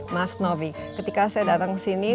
mas novi ketika saya datang ke sini